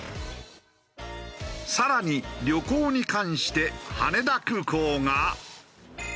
更に旅行に関して羽田空港が。